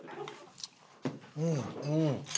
うんうん。